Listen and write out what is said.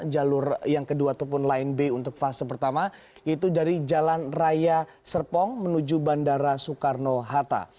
jalur yang kedua ataupun line b untuk fase pertama yaitu dari jalan raya serpong menuju bandara soekarno hatta